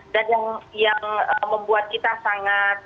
dan yang membuat kita sangat